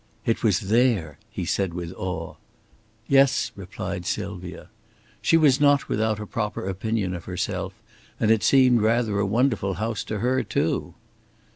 "It was there!" he said with awe. "Yes," replied Sylvia. She was not without a proper opinion of herself, and it seemed rather a wonderful house to her, too.